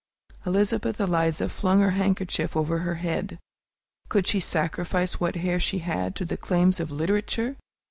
Elizabeth Eliza flung her handkerchief over her head. Could she sacrifice what hair she had to the claims of literature?